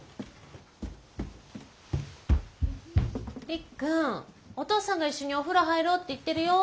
りっくんお父さんが一緒にお風呂入ろうって言ってるよ。